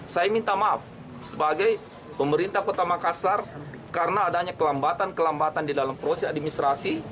saya minta maaf sebagai pemerintah kota makassar karena adanya kelambatan kelambatan di dalam proses administrasi